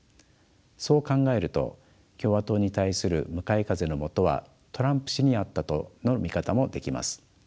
そう考えると共和党に対する向かい風のもとはトランプ氏にあったとの見方もできます。